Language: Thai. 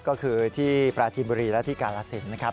ก็คือที่ปราจีนบุรีและที่กาลสินนะครับ